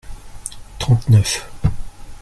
trente neuf.